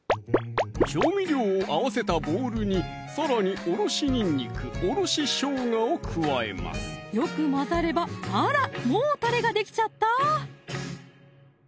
調味料を合わせたボウルにさらにおろしにんにく・おろししょうがを加えますよく混ざればあら